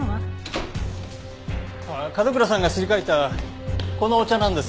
角倉さんがすり替えたこのお茶なんですが。